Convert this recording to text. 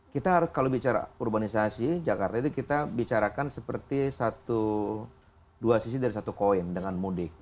kita kalau bicara urbanisasi jakarta itu kita bicarakan seperti dua sisi dari satu koin dengan mudik